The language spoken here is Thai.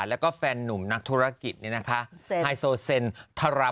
และก็แฟนนุมนักธุรกิจนี่นะคะ